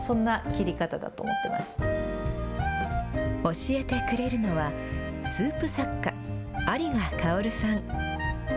教えてくれるのは、スープ作家、有賀薫さん。